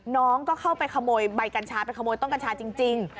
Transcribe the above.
น้องก็เข้าไปขโมยใบกัญชาไปขโมยต้นกัญชาจริง